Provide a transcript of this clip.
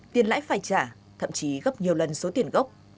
tiền lãi phải trả thậm chí gấp nhiều lần số tiền gốc